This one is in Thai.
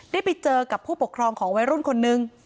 ได้ไปเจอกับผู้ปกครองของวัยรุ่นคนนึง